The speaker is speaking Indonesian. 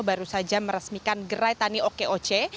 baru saja meresmikan gerai tani okoc